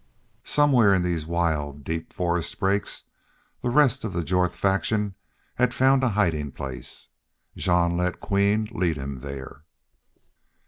Somewhere in these wild, deep forest brakes the rest of the Jorth faction had found a hiding place. Jean let Queen lead him there.